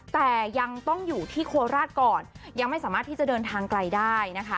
แต่ยังต้องอยู่ที่โคราชก่อนยังไม่สามารถที่จะเดินทางไกลได้นะคะ